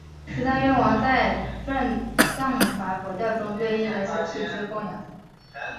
十大愿王在藏传佛教中对应的是七支供养。